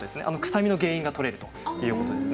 臭みの原因が取れるということです。